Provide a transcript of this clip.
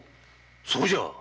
そうじゃ。